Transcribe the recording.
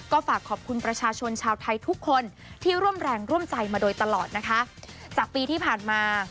ก็ฝากขอบคุณประชาชนชาวไทยทุกคนที่ร่วมแรงร่วมใจมาโดยตลอดนะคะจากปีที่ผ่านมา